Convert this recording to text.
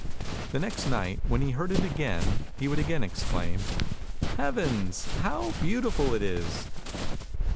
The next night when he heard it again he would again exclaim, " Heavens, how beautiful it is!